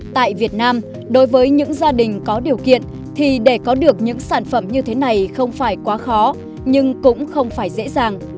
tại việt nam đối với những gia đình có điều kiện thì để có được những sản phẩm như thế này không phải quá khó nhưng cũng không phải dễ dàng